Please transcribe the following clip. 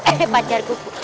eh pacar kuku